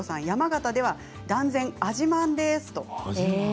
山形では断然、あじまんです。